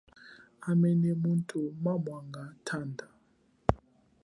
Hamene muthu mwanga thanda.